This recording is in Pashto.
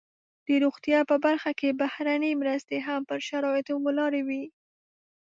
د روغتیا په برخه کې بهرنۍ مرستې هم پر شرایطو ولاړې وي.